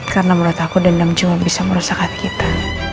karena menurut aku dendam cuma bisa merusak hati kita